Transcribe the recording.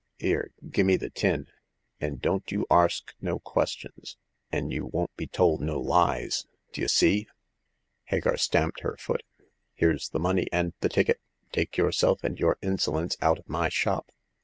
" 'Ere, gimme the tin ; an' don't you arsk no ques tions an' you won't be tol' no lies ! D'ye see ?" Hagar stamped her foot. " Here's the money and the ticket. Take yourself and your insolence out of my shop.